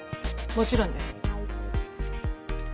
もちろんです。